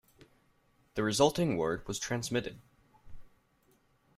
The resulting word was transmitted.